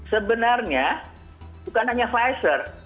sebenarnya bukan hanya pfizer